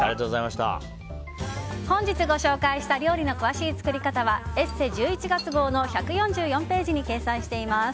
本日ご紹介した料理の詳しい作り方は「ＥＳＳＥ」１１月号の１４４ページに掲載しています。